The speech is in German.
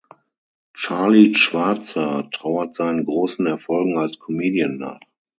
Charlie Schwarzer trauert seinen großen Erfolgen als Comedian nach.